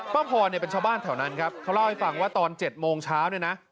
พรเนี่ยเป็นชาวบ้านแถวนั้นครับเขาเล่าให้ฟังว่าตอน๗โมงเช้าเนี่ยนะ